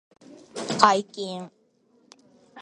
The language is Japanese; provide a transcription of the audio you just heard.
解禁